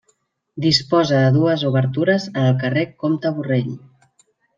Disposa de dues obertures en el carrer Comte Borrell.